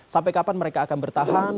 sampai kapan mereka akan bertahan